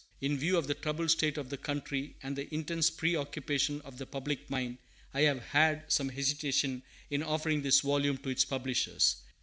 In view of the troubled state of the country and the intense preoccupation of the public mind, I have had some hesitation in offering this volume to its publishers.